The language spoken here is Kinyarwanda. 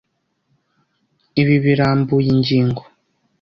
Ibi birambuye ingingo.